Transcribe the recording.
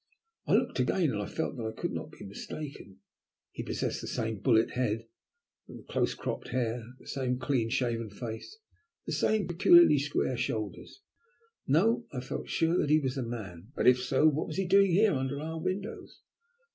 I looked again and felt sure that I could not be mistaken. He possessed the same bullet head with the close cropped hair, the same clean shaven face, and the same peculiarly square shoulders. No! I felt sure that he was the man. But if so, what was he doing here under our windows?